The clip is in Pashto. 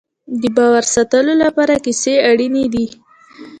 د باور د ساتلو لپاره کیسې اړینې دي.